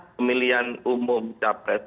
pemilihan umum cawapres